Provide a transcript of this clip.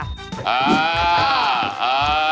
อ่า